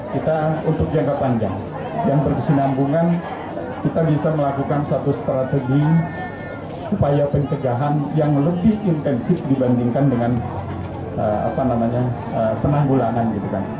kita untuk jangka panjang yang berkesinambungan kita bisa melakukan satu strategi upaya pencegahan yang lebih intensif dibandingkan dengan penanggulangan gitu kan